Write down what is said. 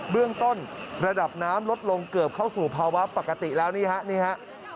เรื่องต้นระดับน้ำลดลงเกือบเข้าสู่ภาวะปกติแล้วนี่ฮะนี่ฮะ